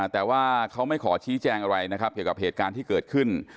แต่ว่าเขาไม่ขอชี้แจงอะไรนะครับเกี่ยวกับเหตุการณ์ที่เกิดขึ้น